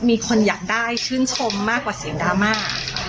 มีคนอยากได้ชื่นชมมากกว่าเสียงดราม่า